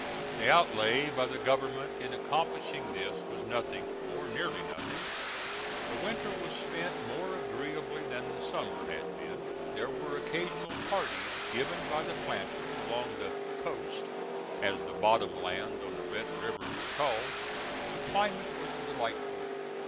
The outlay by the government in accomplishing this was nothing, or nearly nothing. The winter was spent more agreeably than the summer had been. There were occasional parties given by the planters along the "coast" as the bottom lands on the Red River were called. The climate was delightful.